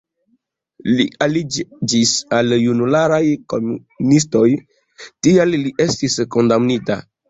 Li aliĝis al junularaj komunistoj, tial li estis kondamnita.